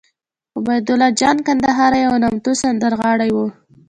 عبیدالله جان کندهاری یو نامتو سندرغاړی وو